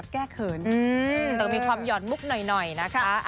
ไม่ได้จะจีบอะไรอ่ะครับ